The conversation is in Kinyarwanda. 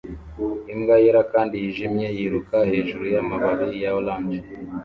Imbwa yera kandi yijimye yiruka hejuru yamababi ya orange